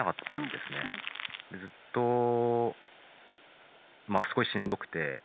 ずっとまあすごいしんどくて。